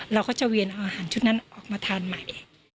เราก็จะเวียนเอาอาหารชุดนั้นออกมาทานใหม่